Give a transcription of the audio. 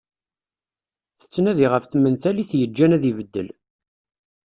Tettnadi ɣef tmental i t-yeǧǧan ad ibeddel.